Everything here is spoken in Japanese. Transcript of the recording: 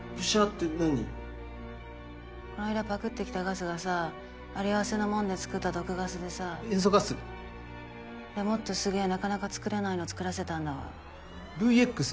この間パクってきたガスがさあり合わせのもんで作った毒ガスでさ塩素ガスいやもっとなかなか作れないの作らせたんだわＶＸ。